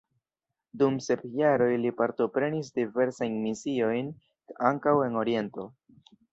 Dum sep jaroj li partoprenis diversajn misiojn, ankaŭ en oriento.